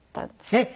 えっ！？